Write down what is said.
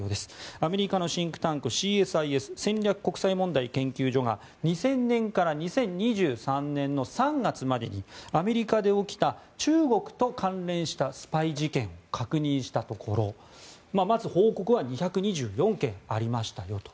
アメリカのシンクタンクＣＳＩＳ・戦略国際問題研究所が２０００年から２０２３年の３月までにアメリカで起きた中国と関連したスパイ事件を確認したところまず、報告は２２４件ありましたよと。